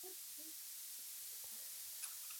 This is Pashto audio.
چې زه نازنين له حواسه ځان سره کور ته نه بيايم.